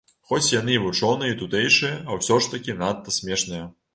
Хоць яны і вучоныя і тутэйшыя, а ўсё ж такі надта смешныя.